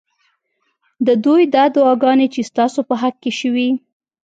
ددوی دا دعاګانې چې ستا سو په حق کي شوي